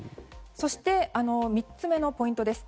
そして、３つ目のポイントです。